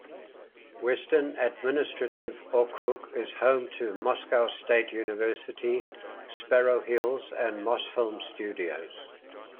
Western Administrative Okrug is home to Moscow State University, Sparrow Hills and Mosfilm Studios.